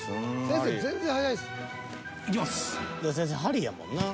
［先生針やもんな］